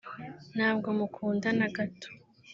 "Ntabwo mukunda na gato